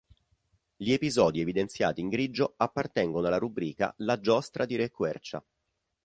Gli episodi evidenziati in grigio appartengono alla rubrica "La giostra di Re Quercia".